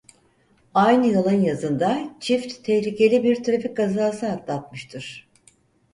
Aynı yılın yazında çift tehlikeli bir trafik kazası atlatmıştır.